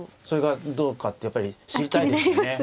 それがどうかってやっぱり知りたいですよね。